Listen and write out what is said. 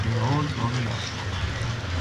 بے ہوش ہوگیا